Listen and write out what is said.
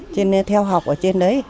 cho nên theo học ở trên đấy